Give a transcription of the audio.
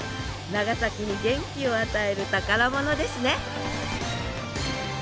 長崎に元気を与える宝物ですね！